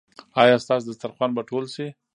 ایا ستاسو دسترخوان به ټول شي؟